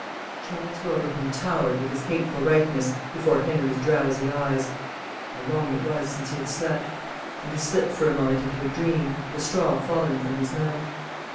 Charles Wilbraham towered, with his hateful rightness, before Henry's drowsy eyes (how long it was since he had slept!), and he slipped for a moment into a dream, the straw falling from his mouth.